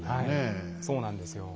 そうなんですよ。